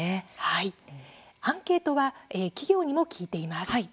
はい、アンケートは企業にも聞いています。